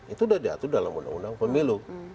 itu sudah diatur dalam undang undang pemilu